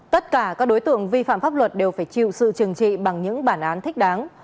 tất cả các đối tượng vi phạm pháp luật đều phải chịu sự trừng trị bằng những bản án thích đáng